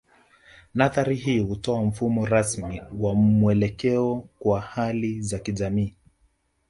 Nadhari hii hutoa mfumo rasmi wa mwelekeo kwa hali za kijamii